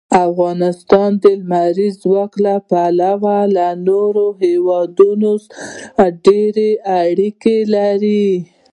افغانستان د لمریز ځواک له پلوه له نورو هېوادونو سره ډېرې اړیکې لري.